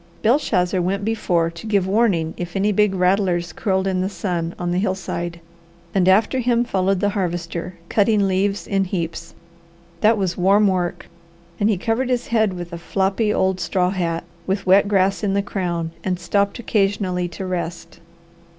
Belshazzar went before to give warning if any big rattlers curled in the sun on the hillside, and after him followed the Harvester cutting leaves in heaps. That was warm work and he covered his head with a floppy old straw hat, with wet grass in the crown, and stopped occasionally to rest.